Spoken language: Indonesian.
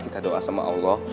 kita doa sama allah